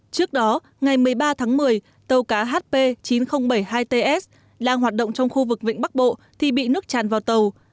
trước đó ngày một mươi ba tháng một mươi tàu cá hp chín nghìn bảy mươi hai ts đang hoạt động trong khu vực vịnh bắc bộ thì bị nước tràn vào tàu